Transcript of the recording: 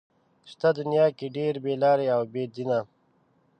شته دنيا کې ډېر بې لارې او بې دينه